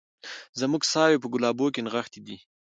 زموږ ساوي په ګلابو کي نغښتي دي